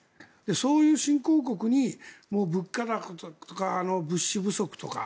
そういう新興国にも物価とか物資不足とか。